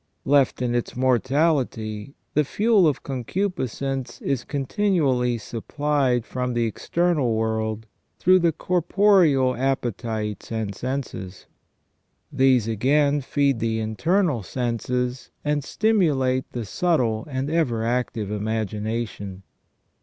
Left in its mortality, the fuel of concupiscence is continually supplied from the external world through the corporeal appetites and senses ; these, again, 126 SELF AND CONSCIENCE. feed the internal senses and stimulate' the subtle and ever active imagination.